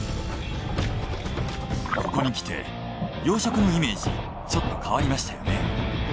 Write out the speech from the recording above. ここにきて養殖のイメージちょっと変わりましたよね？